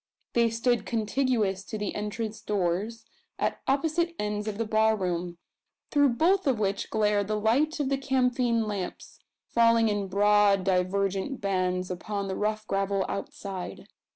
They stood contiguous to the entrance doors, at opposite ends of the bar room, through both of which glared the light of the camphine lamps falling in broad divergent bands upon the rough gravel outside.